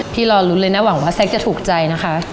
รอลุ้นเลยนะหวังว่าแซ็กจะถูกใจนะคะ